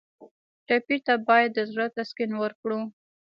ټپي ته باید د زړه تسکین ورکړو.